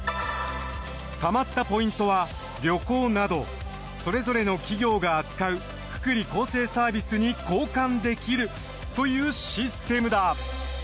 貯まったポイントは旅行などそれぞれの企業が扱う福利厚生サービスに交換できるというシステムだ。